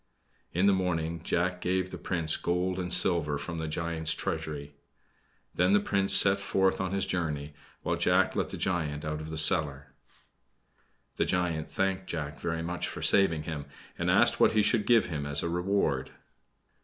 In the morning Jack gave the Prince gold and silver from the giant's treasury. Then the Prince set forth on his journey, while Jack let the giant out of the cellar. The giant thanked Jack very much for saving him, and asked what he should give him as a reward?